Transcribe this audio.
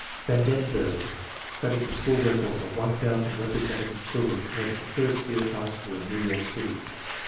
Van Denburg studied the school records of 1000 representative children who entered the first year of high school in New York City.